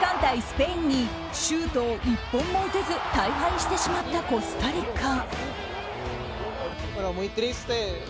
スペインにシュートを１本も打てず大敗してしまったコスタリカ。